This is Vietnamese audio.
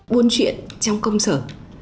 buôn chuyện trong công sở